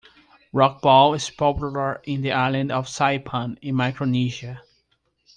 Rocball is popular in the island of Saipan, in Micronesia.